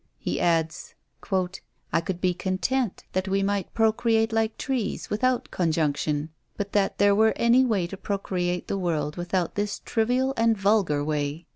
He adds, "I could be content that we might procreate like trees, without conjunction, or that there were any way to procreate the world without this trivial and vulgar way."